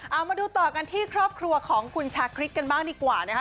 เอามาดูต่อกันที่ครอบครัวของคุณชาคริสกันบ้างดีกว่านะคะ